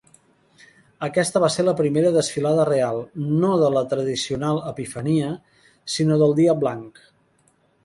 Aquesta va ser la primera desfilada real, no de la tradicional Epifania, sinó del Dia Blanc.